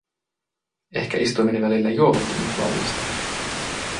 Ehkä istuimeni välillä juovutti minut vallasta.